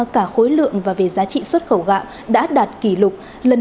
cả khối lượng và về giá trị xuất khẩu gạo đã đạt kỷ lục